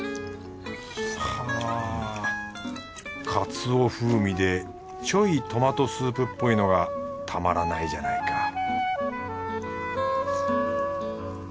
はぁカツオ風味でちょいトマトスープっぽいのがたまらないじゃないか